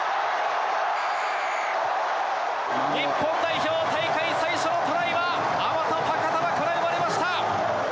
日本代表、大会最初のトライは、アマト・ファカタヴァから生まれました。